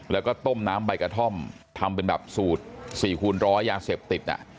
แล้วก็ต้มน้ำใบกระท่อมทำเป็นแบบสูตร๔คูณร้อยยาเสพติด